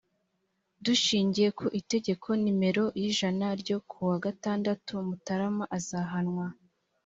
dushingiye ku itegeko nimero yijana ryo ku wa gatandatu mutarama azahanwa.